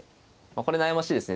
これ悩ましいですね。